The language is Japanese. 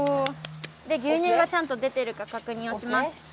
で牛乳がちゃんと出てるかかくにんをします。